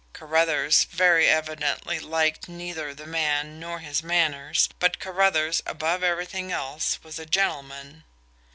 Carruthers, very evidently, liked neither the man nor his manners, but Carruthers, above everything else, was a gentleman.